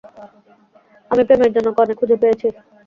আমি প্রেমের জন্য কনে খুঁজে পেয়েছি।